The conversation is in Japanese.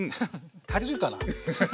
足りるかなあ。